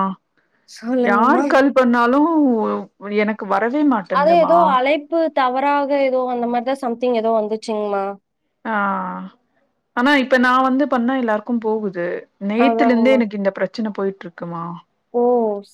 ஆ யார் சொல்லுங்கம்மா கல் பண்ணாலு [unintelligible] புளி எனக்கு கு வரவே அது மாட்டன்துமா ஏதோ அழைப்பு தவறாக எதோ அந்த மாரிதா சம்திங் எதோ வந்துச்சுங்மா ஆ ஆனா இப்ப நா வந்து பண்ணா எல்லாருக்கும் போகுது நேத்துல இந்தே அதாங்கம்மா எனக்கு இந்த பிரச் பிரச்சன போய்ட்ருக்குமா ஓ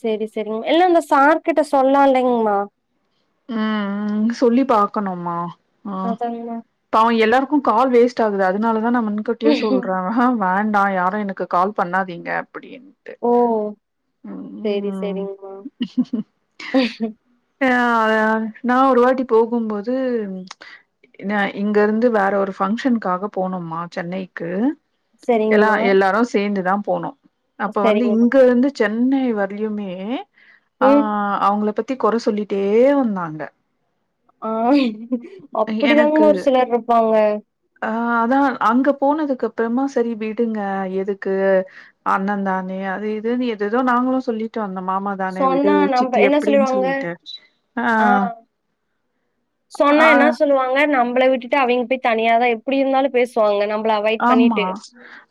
சேரி சேரிங் எல்லா இந்த சார்கிட்ட சொல்லால்லைங்மா ம் ம் சொல்லி பாக்கணும்மா ஆ அதாங்கமா பாவோ எல்லாருக்கும் கால் வேஸ்ட் கட் ஆகுது அதுனால அதா நா முன்கூட்டியே சொல்ற [unintelligible] வேண்டா யாரு எனக்கு கால் பண்ணாதீங்க அப்டின்ட்டு ஓ சரி ம் சரிங்கமா ம் [unintelligible] [unintelligible] நா ஒரு வாட்டி போகும் போது இங்க இருந்து வேற ஒரு பங்க்ஷனுக்காக போனோமா சென்னைக்கு எல்லா சரிங்கம்மா எல்லாரு சேந்துதாம் போனோ அப்ப வந்து சரிங்கம்மா இங்க இருந்து சென்னை வரையுமே ஆ ம் அவங்கள பத் தி கொர சொல்லி டே வந்தாங்க ஆ அப்டிதாங்க எனக்கு ஒரு சிலர் இருப்பாங்க ஆ அதா அங்க போனதுக்கு அப்புறமா சேரி விடுங்க எதுக்கு அண்ணந்தானே அது இதுன்னு எதெதோ நாங்களு சொல்லிட்டு வந்தோம் மாமா தானே விடு சொன்னா நம்ப சித்தி என்ன எப்டின் சொல்லிருவாங்க சொல்லிட்டு ஆ சொன்னா ஆ என்ன சொல்லுவாங்க நம் நம்மள விட்டுட்டு அவிங் போய் தனியாதா எப்டி இருந்தாலு பேசுவாங்க நம் ஆமா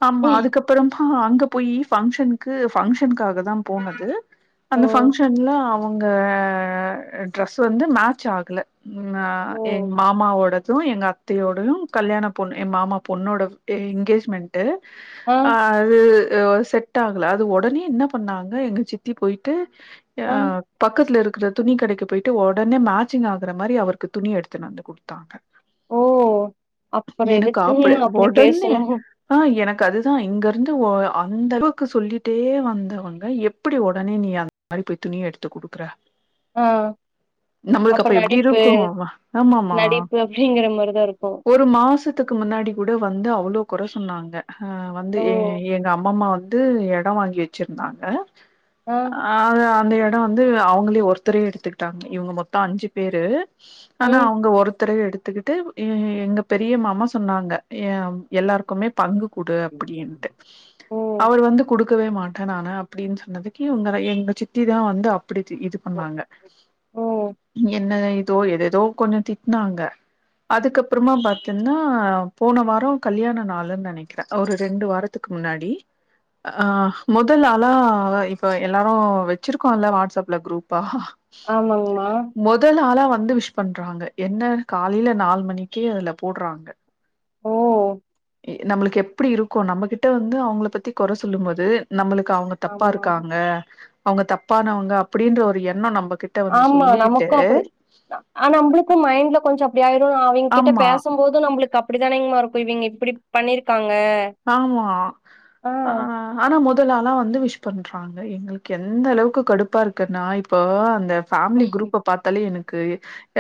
ஆமா அதுக்கப்புறமா அங்க போயி பங்க்ஷனுக்கு பங்க்ஷன்க்காக தான் போனது ஓ அந்த பங்க்ஷன்ல அவ அவங்க ட்ரெஸ் வந்து மேச் ஆகல உம் ஆ ஓ எங்க மாமா ஓடது அதுவும் எங்க அத்தையோடையும் கல்யாண பொண்ணு என் மாமா பொண்ணோட ஏ எங்கேஜ்மெண்ட் டு ஆ அது அது ஒரு செட் ஆகல அது ஒடனே என்ன பண்ணாங்க எங்க சித்தி போயி்ட்டு ஏ ஆ பக்கத்துல இருக்கு இது துணி கடைக்கு போயிட்டு ஒடனே மேட்சிங் ஆகுற மாரி அவருக்கு துணி எடுத்துனு வந்து கொடுத்தாங்க ஓ அப்புறம் எதுக்கு அப்ப அப்படி உடனே ஆ எனக்கு அதுதான் இங்க இருந்து அந்த அளவுக்கு சொல்லிட்டே வந்தவங்க எப்படி உடனே நீ அந்த மாதிரி போய் துணி எடுத்து குடுக்குற ஆ நம்மளுக்கு அப்ப எப்டி இருக்கும் ஆமாமா நடிப்பு அப்டிங்கிற மாரிதா இருக்கு ஒரு மாசத்துக்கு முன்னாடி கூட வந்து அவளோ கொற சொன்னாங்க ஆ வந்து ஓ எங்க அம்மம்மா வந்து வந்து இடம் வாங்கி வச்சிருந்தாங்க ஆ அ அந்த எடம் வந்து அவு களே ஒருத்தர எடுத்துக்கிட்டாங்க இவங்க மொத்தம் அஞ்சு பேரு ஆனா ம் அவங்க ஒருத்தரே எடுத்துக்கிட்டு ம் எங்க பெரிய மாமா சொன்னாங்க எ எல்லாருக்குமே பங்கு குடு அப்டின்ட்டு ஓ அவர் வந்து குடுக்கவே மாட்டேன் நான் அப்டின்னு சொன்னதுக்கு இவங்க எங்க சித்திதான் வந்து அப்படி திட்டிட்டு போனாங்க ஓ என்ன இதோ ஏதேதோ கொஞ்சம் திட்னாங்க அதுக்கப்புறம் பார்த்தீங்கன்னா போன வாரம் கல்யாண நாளுனு நினைக்குறேன் ஒரு ரெண்டு வாரத்துக்கு முன்னாடி அ மொதல் ஆள இப்போ எல்லாரும் வச்சு இருக்கோம்ல வாட்சப்பல குரூப் அ ஆமாங்மா வந்து விஷ் பண்றாங்க என்ன காலையில நாலு மணிக்கே அதுல போடுறாங்க ஓ நம்மளுக்கு எப்டி இருக்கும் நம்மகிட்ட வந்து அவங்கள பத்தி குறை சொல்லும் போது நம்மளுக்கு அவங்க தப்பா ஆமா இருக்காங்க அவுங்க தப்பானவங்க அப்பிடின்ற ஒரு எண்ணோ நம்மக் ஆமா நமக்கு அப்பிடி ஆன நம்புளுக்கு மைண்ட்ல கொஞ்ச அப்பிடி ஆயிரு அவிங்கிட்ட ஆமா பேசம் போது நம்மளுக்கு அப் இப்பிடித்தானிங்கமா இருக்கு இவிங்க இப்பிடி பண்ணிருக்காங் ஆமா ஆ ஆனா மொத் த்தலாலா வந்து விஷ் பண்றாங்க எங்களுக்கு எந்த அளவுக்கு கடுப்பா இருக்குன்னா இப்போ அந்த பேமிலி குரூப்ப பாத்தாலே எனக் க்கு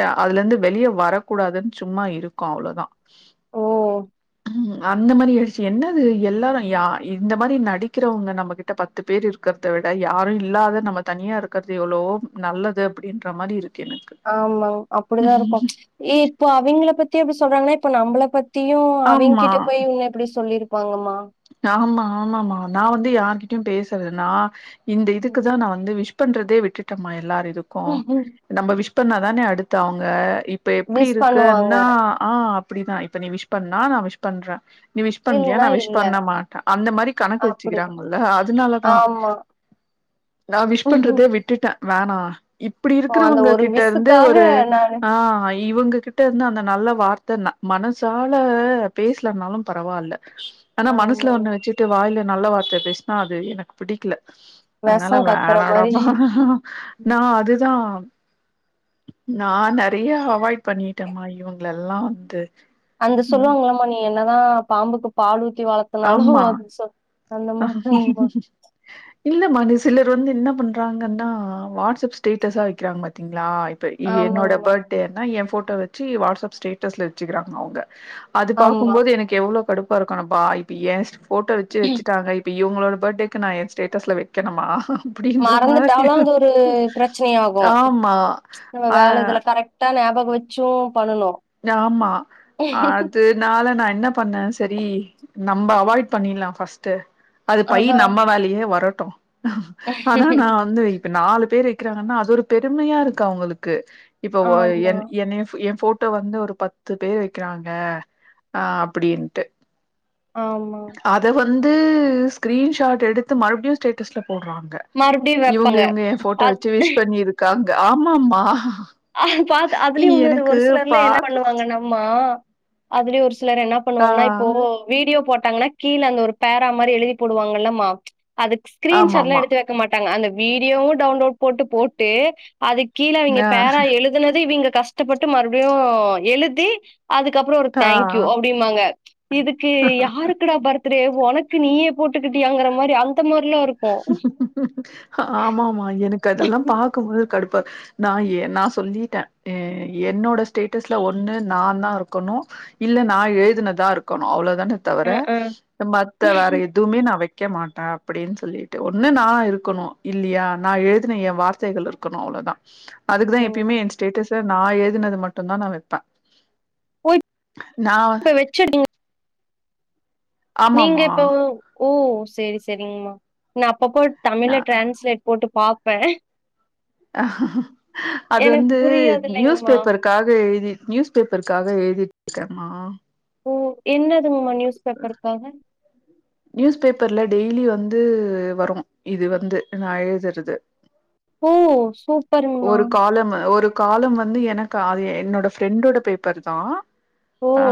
அ அதுல இந்து வெளியே வரக்கூடாதுன்னு சும்மா இருக்கோ அவ்ளோதா ஓ ம் அந்த மாரி எழுச்சு என்னது எல்லாரு யா இந்த மாரி நடிக்கிறவங்க நம்மகிட்ட பத்து பேர் இருக்கிறத விட யாரு இல்லாத நம்ம தனியா இருக்கிறது எவ்ளோ நல்லது அப்பிடின்ற மாரி இருக் ஆமாங் அப்பிடிதா இருக்கு ஏ இப்போ அவிங்கள பத்தி எப்பிடி சொல்றாங்கன்னா இப்ப நம்மள பத் தியு ஆமா. அவிங்கிட்ட போய் இவுங்கள இப்பிடி சொல் வாங்கம்மா ஆமா ஆமாமா நா வந்து யார்கிட்டயு பேசுறது நா ஆ இந்த இதுக்குதா நா வந்து விஷ் பண்றதே விட்டம்மா எல்லாரி துக்கு நம்ம விஷ் ப்பண்ணா தானே அடுத்த அவுங்க இப்ப எப்பிடி விஷ் இருக்கு பண்ணுவாங்க நா ஆ இப்பிடிதா இப்ப நீ விஷ் பண்ணா நா விஷ் பண்றே நீ விஷ் பண்லியா இல்லன்னா நா விஷ் இல்ல பண்ணமாட்டா அந்த மாரி கணக்கு அப்டி வச்சுக்கிறாங்கள அதனாலதா ஆமா நா விஷ் பண்றதே விட்டுட்டே வேணா இப்பிடி ஓ அந்த ஒரு இருக்கிறவங்ககிட்ட இருந்து விஷ்சுக்காக ஒரு நானு ஆ இவுங்க கிட்ட இருந்து அந்த நல்ல வார்த்தன மனசால பேசலனாலு பரவாயில்ல ஆனா மனசுல ஒன்ன ஆமாங்க வச்சிட்டு வாயில நல்ல வார்த்த பேசன்னா அது எனக்கு பிடிக்கல வெஷோ அனால கக்குற மாரி வேணாடாப்பா ம். நா அதுதா நா நறைய அவாய்ட் பண்ணிட்டம்மா இவுங்ளல்லா வந்து அந்த ம். சொல்வாங்ளம்மா நீ என் னதா பாம்புக்கு பால் ஊ த்தி வளத்தனாலு அது சொ அந்த மாரிதாங்கம்மா இல்ல மா நி சிலர் வந்து என்ன பண்றாங்கன்னா வாட்ஸ் அப் ஸ்டேட்டஸா வக்கிறாங் பாத்தீங்ளா இ ப்ப என்னோட ஆமாங்கம்மா பர்டேனா எ ஃபோ ட்டோ வச்சி வாட்ஸ்அப் ஸ்டேட்டஸ்ல வச்சுக்கிறாங்க அவுங்க அது பாக்கும் ஆமா போது எனக்கு எவ்ளோ கடுப் பா இருக்கு ஆனா பா இப்ப ஏஸ் ஃபோட்டோ வச்சு வச்சு இப்ப இவுங்களோட பர்டேக்கு நா எ ஸ்டேட்டஸ்ல வக்கனுமா மறந்துட்டாலு அது ஒரு பிரச்சனை ஆகு ஆமா நம்ம ஆ வேல இதுல கரெக்டா ஞாபக வச்சோ ஆமா அதுனால நா என்ன பண்ணே செரி நம்ப அவாய்ட் பண்ணில்லா ஃபஸ்ட்டு அது பயி அதா நம்ம மேலயே வர ட்டு ஆனா நா வந்து இப்ப நாலு பேரு வக்கிறாங்கன்னா அது ஒரு பெருமையா இருக்கு அவுங்களுக்கு இப்ப ஓ ஆமா என் என்னய எ ஃபோ ட்டோ வந்து ஒரு பத்து பேர் வக்கிறாங்க அ அப்புடின்ட்டு ஆமா ந்து ஸ்கிரீன் ஷாட் எடுத்து மறுப்டியு ஸ்டேட்டஸ்ல போட்றாங்க மறுபடியு இவுங்க வெப்பாங்க இவுங்க எ ஃபோட்டோ அத் வச்சு விஷ் பண்ணியிருக்காங் க ஆமாமா அஹ் பாத்து அதுலயு உன்னொரு எனக்கு ஒரு சிலர்ல என்ன பாக்க பண்ணுவாங்கனாமா அதலயே ஒரு சிலர் என்ன ஆ பண்ணுவாங்கனா இப்போ வீடியோ போட் டாங்னா கீழ அந்த ஒரு பேரா மாரி எழுதி போடுவாங்கல்லமா அது ஸ்கிரீன் ஷாட் எல்லா ஆமாமா எடுத்து வெக்க மாட்டாங்க அந்த வீடியோவு டவுன்லோட் போட்டு போட்டு அதுக் கீழ நீங்க ஆ பேரா எழுதுனது இவிங்க கஷ்டப்பட்டு மறுபடியு எழுதி அதுக்கப்புறோ ஒரு ஆ தேங்க்யூ அப்டிம்பாங்க இதுக்கு யாருக்குடா பர் அப்டியே உனக்கு நீயே போட்டுக்கிட்டியாங்குற மாரி அங் ஆமாமா எனக்கு அதெல்லாம் பாக்கும் போதே கடுப் ப்ப நா ஏ நா சொல்லிட்ட அ என்னோட ஸ்டேட்டஸ்ல ஒண்ணு நாந்தா இருக்கணு இல்ல நா எழுதுனதா இருக்கணு அவ்ளோத் என்ன தவுர அ, ஆ. மத்த வேற எதுவுமே நா வெக் வெக்கமாட்டா அப்டின்ஸ் சொல்லிட்டு ஒன்னு நா இருக்கணு இல்லியா நா எழுதுன ஏ வார்த்தைகள் இருக்கணு அவ்ளோதா அதுக்குதா ஓ! எப்பயுமே என் ஸ்டேட்டஸ் ச்சு நா எழுதுனத மட்டுந்தா நா வெப்ப போய் [inaudible] நீங்க ஆமாமா இப்போ ஓ சேரி சேரிங்மா நப் [unintelligible] நா தமிழ்ல டிரேன்ஸ்லேட் போட்டு பாப் ப்ப அது எனக்கு வந்து நியூஸ் புரியாதில்லைங்மா. பேப்பருக்காக எழுதி நியூஸ் பேப்பருக்காக எழுதி க்கமா ஓ என்னதுங்கம்மா நியூஸ் பேப்பருக்காக நியூஸ் பேப்பர்ல டெய்லி வந்து வரும் இது வந்து நா எழுதுறது ஓ சூப்பருங்மா ஒரு காலம் ஒரு காலம் வந்து எனக்கு அது என்னோட ஃப்ரெண்டோட பேப்பருதா ஓ! ஆ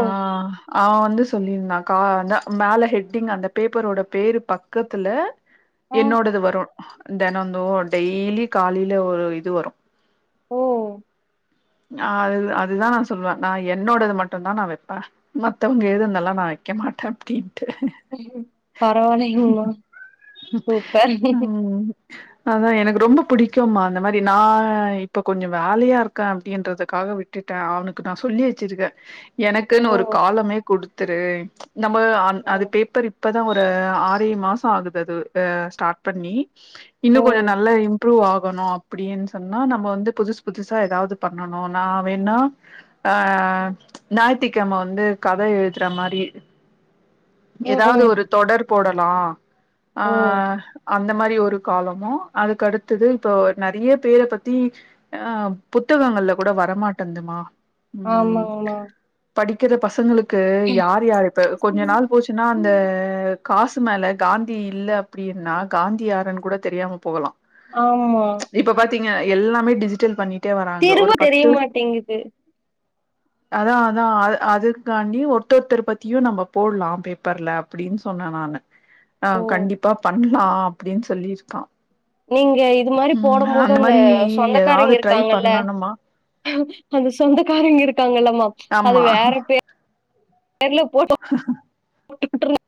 அவ வந்து சொல்லியிருந்தா கா மேல ஹெட்டிங் அந்த பேப்பரோட பேரு பக்கத்துல ஆ, என்னோடது வரு தேனோ தோரும் டெய்லி காலையில ஒரு இது வரூம் ஓ ஹ அது அதுதான் நான் சொல்லுவேன் நா என்னோடது மட்டும் தான் நான் வைப்பேன் மத்தவங்க எழுதுனதெல்லாம் நான் வைக்க மாட்டேன் தேட்டி பரவாயில்லைங்கமா சூப்பர் அதான் எனக்கு ரொம்ப பிடிக்கும்மா அந்த மாரி நான் இப்ப கொஞ்சோம் வேலையா இருக்கேன் அப்படின்றதுக்காக விட்டுட்டேன் அவனுக்கு நான் சொல்லி வச்சிருக்கேன் ஓ! எனக்குன்னு ஒரு காலமே குடு த்துரு நம்ம அது ம், பேப்பர் இப்போ தான் ஒரு ஆறு ஏழு மாசம் ஆகுது அது ஸ்டார்ட் பண்ணி ஓ! இன்னும் கொஞ்சம் நல்லா பப்ரூவ் ஆகணும் அப்படின்னு சொன்னா நம்ம வந்து புதுசு புதுசா ஏதாவது பண்ணணும் நான் வேணா ஆஹ் ஞாயத்திக்கிழமை வந்து கத எழுதுறா மாரி ம், ஏதாவது ம் ஒரு தொடர் போடலாம் ஓ! ஆஹ் அந்த மாதிரி ஒரு காலமும் அதுக்குடுத்தது இப்ப நறைய பேர பத்திஹ் புத்தகங்கள்ல கூட வரமாட்டேந் துமா ஆமாங் மா படிக்கற பசங்களுக்கு யார் யாரு இப்ப கொஞ்ச நாள் போச்சுனா அந்த காசு மேலே காந்தி இல்ல அப்டின்னா காந்தியாருன்னு கூட தெரியாம போகலாம் ஆமா ஏங்க எல்லாமே டிஜிட்டல் பண்ணிட்டு திரும்ப தெரியமாட்டேங்குது அதான் அதான் அது அதர்காண்டி ஒருத்தொருதர் பத்தியும் நம்ம போடலாம் பேப்பர்ல அப்படின்னு சொன்னேன் நானு ஆஹ கண்டிப்பா பண்ண லா அப்படின்னு சொல்லியிருக்கான் நீங்க இது மாதிரி போடும் போது அந்த மாரி ஏதாவது சொந்தக்காரங்க ட்ரை இருக்காங்க மொதல்ல பண்ணணுமா அந்த சொந்தக்காரங்க இருக்கு இருக்காங்களா ஆமாம் அது ஆமா வேற பே பேர்ல போட்டோ [unintelligible]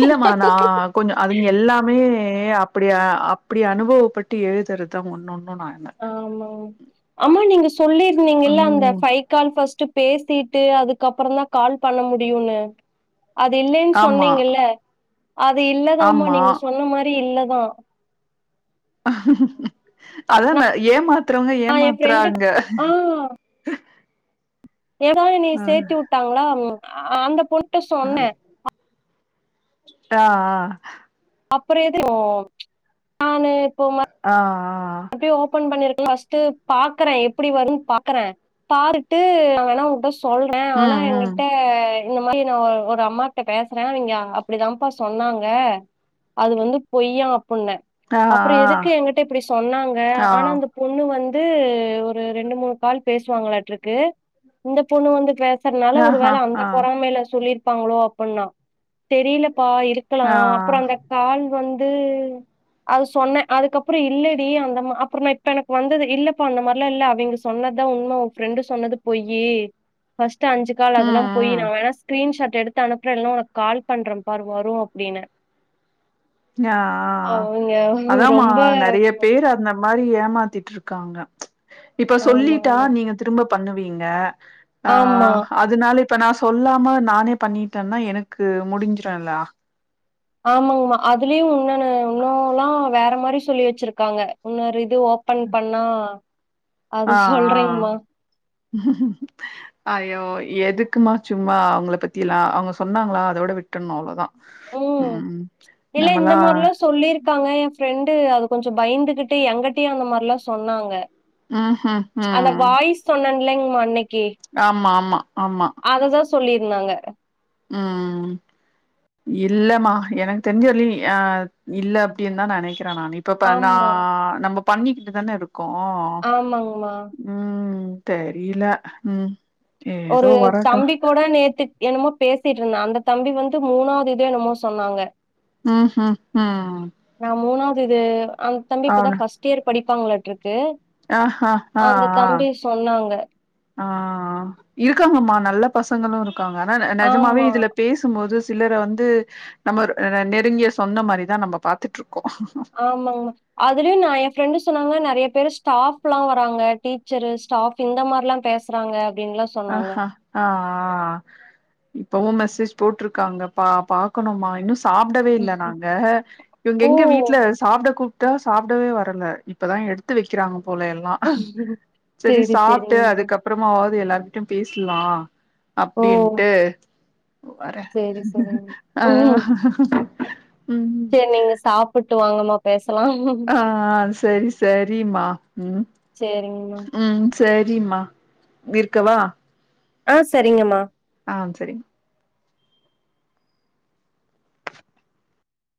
இல்லமா நா கொஞ்சோ அதுங்க எல்லாமே ஏ அப்பிடியா அப்பிடி அனுபவப்பட்டு எழுதுறதுதா ஒன்னொன் ஆமாங்க ஆமா நீங்க சொல்லிருந்தீங்கல்ல அந்த ம் ஃபைகால்பஸ்ட்டு பேசிட்டு அதுக்கப்புறோதா கால் பண்ண முடியுனு அது இல்லென்னு ஆமா சொன்னிங்கல்ல அது இல்லதாமா ஆமா நீங்க சொன்ன மாரி இல்ல மா அதன ஏமாத் த்துறவங்க நா எ ஃப்ரெண்டுக் ஏமாத்துறாங்க ஆ ஏதா என்னை ம். சேத்திவுட்டாங்களா அந்த பொண் சொன்னே ட ஆ அப்புறோ எதுக்கு நானு ஆ ஆ அப்பிடியே ஓபன் பண்ணிரு பஸ்டு பாக்குறே எப்பிடி வருதுன்னு பாக்குறே பாத்துட்டு நா வேணுணா உட்ட சொல்றே ஆனா ம் ம் எங்கிட்ட இந்த மாரி நா ஒ ஒரு அம்மாட்ட பேசறே அவிங்க அப்பிடிதாப்பா சொன்னாங்க அது வந்து பொய்யா ப்ண்ணோ ஆ ஆ அப்புறோ எதுக்கு என்கிட்ட இப்பிடி சொன்னாங்க ஆ ஆனா இந்த பொண்ணு வந் து ஒரு இரண்டு மூணு கால் பேசுவாங்களாட்றுக்கு இந்த பொண்ணு வந்து பே சறானால ஒரு ஆஹா வேல அந்த ஆ பொறாமைல்ல சொல்லிர் ப்பாங்களோ அப்புன்னா தெரியலப் ப்பா இருக்கலா ஆ அப்புறோ அந்த கால் வந் து அது சொன்னே அதுக்கப்றோ இல்ல ப்பிடி அந்தமா அப்புறோ இப்ப எனக்கு வந்தது இல்லப்பா அந்த மாரிலா இல்ல அவிங்க சொன்னதா உண்ம உ ஃப்ரெண்டு சொன்னது போய்யி பஸ் அஞ்சு கால் ம் அதெல்லா பொய் ம் நாவேனா ஸ்கிரீன்ஷாட் எடுத்து அனுப்றேனு கால் பண்றே பார் வரு அப்டின்னே ஆ ஆ ஆ அவிங்க அதாமா ரொம்ப நெறய பேர் அந்த மாரி ஏமாத்திட்ருக்காங்க இப்ப சொல்லிட்டா ஆமாங்க நீங்க திரும்ப பண்ணுவீங்க அ ஆமா. அதனால இப்ப நா சொல்லாம நானே பண்ணிட்டேன்னா எனக்கு முடிஞ்சிரு எல்லா ஆமாங்கமா அதுலயு உன்னோனு இன்னுனல்லா வேற மாரி சொல்லி வச்சிருக்காங்க உன்னொ ர இது ஓபன் பண்ணா அது ஆ ஆ சொல்றேங்கமா. அய்யோ எதுக்குமா சும்மா அவுங்கள பத்தி எல்லா அவுங்க சொன்னாங்ளா அதோட விட்றணு அவ்ளதா உம் இல்ல இந்த மாரிலா சொல்லியிருக்காங்க எ ஃப்ரெண்ட் ட்டு அது கொஞ்ச பயந்துகிட்டு எங்கட்டயு அந்த மாரில்லா சொன்னாங்க ஆஹ ஆ இல்லைங்மா இன்னைக் ஆமா ஆமா ஆமா சொல்லி இருந்தாங்க உம் இல்லமா எனக்கு தெரிஞ்ச வர்லியு ஆ இல்ல அப்டின்னு தா நெனக்குறே நெனக்கிறே நானு இப்ப நா ஆமா. நம்ம பண்ணிகிட்டு தான இருக் கோ ஆமாங்கமா. உம் தெரியல உம் ஒரு தம்பி கூட நேத்துக் என்னமோ பேச சிட்டுருந்தா அந்த தம்பி வந்து மூனாவது இது என்னமோ சொன்னாங்க [inaudible] மூனாவ்து இது அந்த தம்பி இப்பதா ஃபஸ்ட்டு இயர் படிப்பாங்ளாட்ருக்கு ஹ சொன்னாங்க. ஹாஹாஹா இருக்காங்கமா நல்ல பசங்களும் இரு இருக்காங்க ஆனா நெஜமாவே ஆமா இதுல பேசும் போது சிலரை வந்து நம்ம நெருங்கிய சொந்த மாரிதான் நம்ம பாத்ட்ரு போம் ஆமாங்மா அதுலயும் நான் என் ஃப்ரெண்டு் சொன்னாங்க நெறய பேரு டாஃப்லாம் வராங்க டீச்சரு ஸ்டாஃப் இந்த மாரிலாம் பேசுறாங்க அப்டின்லாம் சொன்னாங்க. ஹான் ஹ போட்ருக்காங்க பா பாக்கணுமா இன்னும் சாப்டவே இல்ல நாங்க இவுங்க ஓ! எங்க வீட்ல சாப்ட சாப்டவே வரல இப்பதான் எடுத்து வைக்கிறாங்க போலாம் எல்லாம் சரி சாப்ட்டு அதுக்கப்பறமாவ்து எல்ல பேசலாம் ஓ! அப்டின்ட்டு சரி, சரிங்க. ஹன் சேரி நீங்க சாப்புட்டு வாங்க வாங்க ஆஹ் ஹ் செரி செரிம்மா உம் சரிங்கம்மா. உம் சேரி மா வைக்கவா ஆஹ் சரிங்கம்மா ஆ சேரிங்